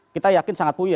kita yakin sangat punya